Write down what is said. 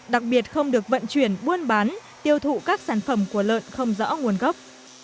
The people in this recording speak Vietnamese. đặc biệt không được vận chuyển buôn bán tiêu thụ các sản phẩm của lợn không rõ nguồn gốc